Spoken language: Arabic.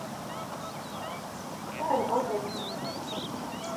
دعني أنظر.